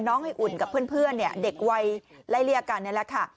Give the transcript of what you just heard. น้องไอ้อุ่นกับเพื่อนเนี่ยเด็กวัยไล่เรียกกันแล้วค่ะ